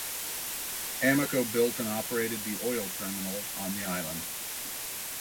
Amoco built and operated the oil terminal on the island.